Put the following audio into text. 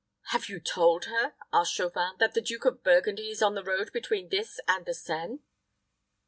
"Have you told her," asked Chauvin, "that the Duke of Burgundy is on the road between this and the Seine?"